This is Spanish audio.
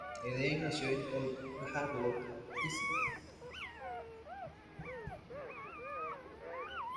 Eden nació en Old Harlow, Essex.